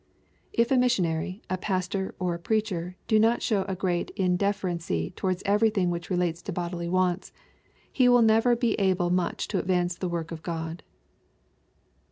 If a missionary, a pastor, or a preacher do not show a great indifferency towards everything which relates to bodily wftnts, he will never be able much to advance the work oi God."